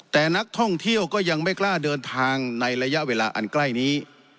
แต่นักท่องเที่ยวก็ยังไม่กล้าเดินทางในระยะเวลาอันใกล้นี้